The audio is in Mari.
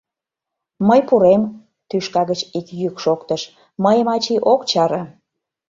— Мый пурем, — тӱшка гыч ик йӱк шоктыш, — мыйым ачий ок чаре.